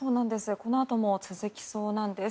このあとも続きそうなんです。